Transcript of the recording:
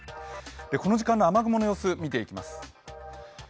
この時間の雨雲の様子、見ていきます。